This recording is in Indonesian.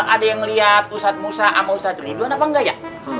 ada yang ngeliat usat musa sama usat riluan apa enggak ya